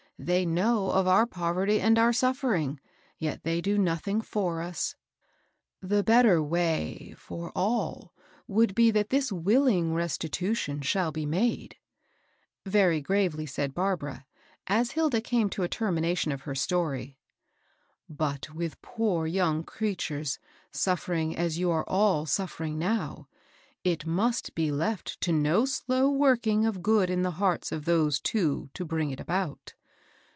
They know of our poverty and our suffering, yet they do notic ing for us." *' The better way for all would be that this will ing restitution shs^U be made,'' very gravely said Barbara, as Hilda came to a termination of hw story ;" but with poor young creatures suffering as you are all suffering now, it must be left to no slow working of good in the hearts of those two to bring it about.